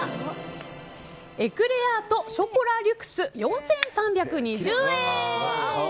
エクレアート・ショコラ・リュクス、４３２０円。